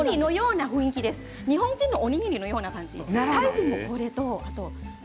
日本人のおにぎりのような雰囲気です。